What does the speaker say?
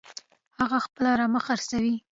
هغه خپله رمه خرڅوي.